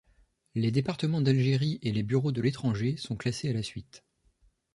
Les départements d'Algérie et les bureaux de l'étranger sont classés à la suite.